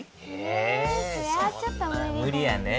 えそれはちょっと無理だよね。